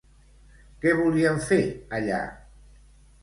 Què volien fer allà?